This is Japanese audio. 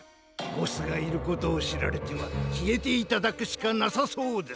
ボスがいることをしられてはきえていただくしかなさそうです。